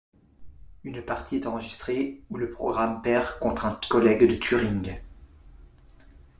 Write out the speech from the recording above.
Une partie est enregistrée, où le programme perd contre un collègue de Turing.